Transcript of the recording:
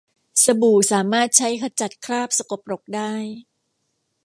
สบู่สามารถใช้ขจัดคราบสกปรกได้